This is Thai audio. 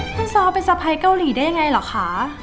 คุณซอเป็นสภัยเกาหลีได้ยังไงหรอค่ะ